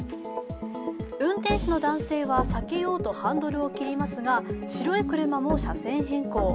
運転手の男性は避けようとハンドルを切りますが、白い車も車線変更。